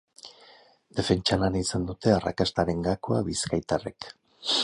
Defentsa lana izan dute arrakastaren gakoa bizkaitarrek.